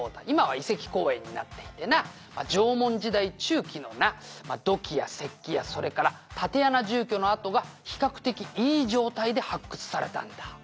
「今は遺跡公園になっていてな縄文時代中期のな土器や石器やそれから竪穴住居の跡が比較的いい状態で発掘されたんだ」